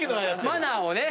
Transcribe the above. マナーをね。